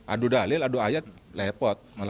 adu dalil adu ayat lepot